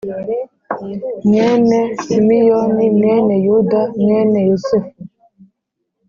mwene Simiyoni mwene Yuda mwene Yosefu